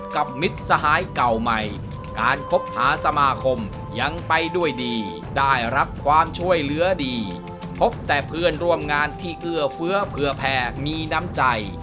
มิตรสหายเก่าใหม่การคบหาสมาคมยังไปด้วยดีได้รับความช่วยเหลือดีพบแต่เพื่อนร่วมงานที่เอื้อเฟื้อเผื่อแผ่มีน้ำใจ